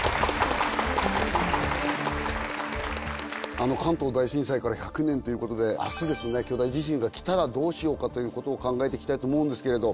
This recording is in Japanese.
あの関東大震災から１００年ということであすですね巨大地震がきたらどうしようかということを考えていきたいと思うんですけれど